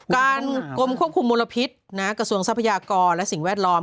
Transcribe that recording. กรมควบคุมมลพิษกระทรวงทรัพยากรและสิ่งแวดล้อม